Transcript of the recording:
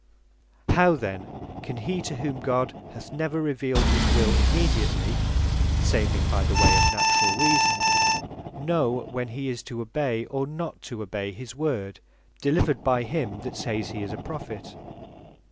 By What Marks Prophets Are Known How then can he, to whom God hath never revealed his Wil immediately (saving by the way of natural reason) know when he is to obey, or not to obey his Word, delivered by him, that sayes he is a Prophet?